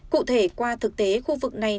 cụ thể qua thực tế khu vực này